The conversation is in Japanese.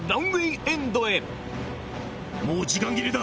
もう時間切れだ！